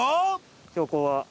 標高は？